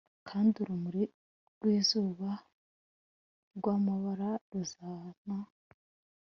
kandi urumuri rwizuba rwamabara ruzana